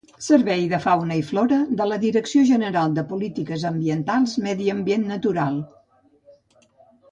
Servei de Fauna i Flora de la Direcció General de Polítiques Ambientals Medi Natural